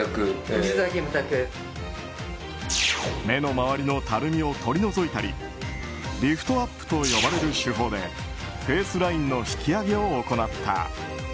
目の周りのたるみを取り除いたりリフトアップと呼ばれる手法でフェースラインの引き上げを行った。